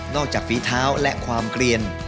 จากฝีเท้าและความเกลียน